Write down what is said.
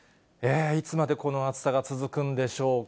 いつまでこの暑さが続くんでしょうか。